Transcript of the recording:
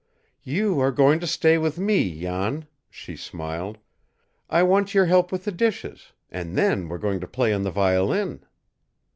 "You are going to stay with me, Jan," she smiled. "I want your help with the dishes, and then we're going to play on the violin."